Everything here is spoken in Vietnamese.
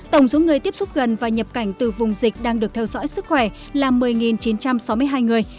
tổng số người tiếp xúc gần và nhập cảnh từ vùng dịch đang được theo dõi sức khỏe là một mươi chín trăm sáu mươi hai người